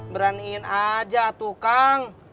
beraniin aja tuh kang